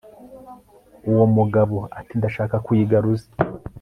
uwo mugabo ati ndashaka kuyigaruza